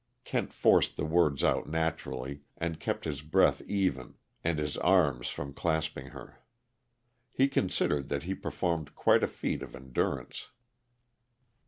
Kent forced the words out naturally, and kept his breath even, and his arms from clasping her. He considered that he performed quite a feat of endurance.